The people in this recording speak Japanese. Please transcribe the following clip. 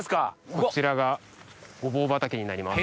こちらがごぼう畑になります。